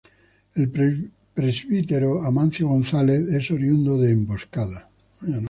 El presbítero Amancio González, es oriundo de Emboscada.